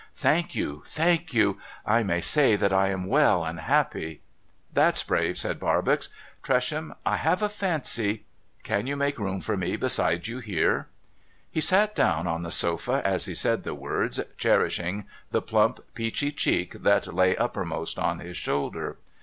' Thank you, thank you ! I may say that I am well and happy.' ' That's brave,' said Barbox. ' Tresham, 1 have a fancy • Can you make room for me beside you here ?' He sat down on the sof;x as he said the words, cherishing the plump, peachy cheek that lay uppermost on his shoulder.